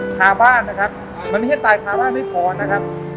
คาบ้านนะครับมันไม่ใช่ตายคาบ้านไม่พอนะครับ